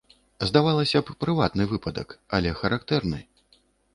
Здавалася б, прыватны выпадак, але характэрны.